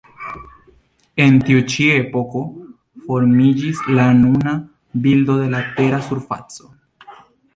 En tiu ĉi epoko formiĝis la nuna bildo de la Tera surfaco.